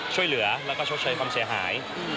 ช่วยเหลือแล้วก็ชดเชยความเสียหาย